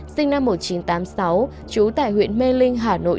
sinh năm một nghìn chín trăm tám mươi sáu trú tại huyện mê linh hà nội